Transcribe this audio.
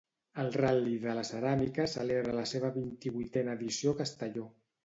El Ral·li de la Ceràmica celebra la seva vint-i-vuitena edició a Castelló.